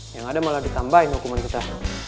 yang ada malah ditambahin hukuman kita